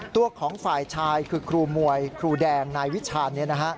ตัวของฝ่ายชายคือครูมวยครูแดงนายวิชาญ